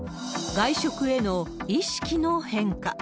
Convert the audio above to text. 外食への意識の変化。